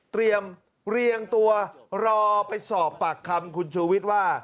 เรียมเรียงตัวรอไปสอบปากคำคุณชูวิทย์ว่า